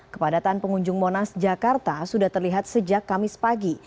kepadatan pengunjung monas jakarta sudah terlihat sejak kamis pagi